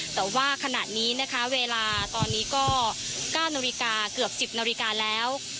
แต่ว่าขนาดนี้นะคะเวลาตอนนี้ก็๙นเกือบ๑๐นแล้ว